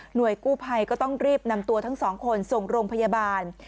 หน่วยกู้ภัยก็ต้องรีบนำตัวทั้ง๒คนส่งลงพยาบาล